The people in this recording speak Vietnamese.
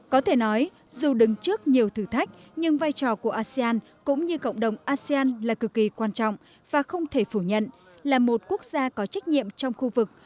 có thể nói dù đứng trước nhiều thử thách nhưng vai trò của asean cũng như cộng đồng asean là cực kỳ quan trọng và không thể phủ nhận là một quốc gia có trách nhiệm trong khu vực